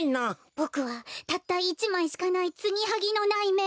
ボクはたった１まいしかないツギハギのないめんこ。